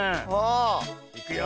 いくよ。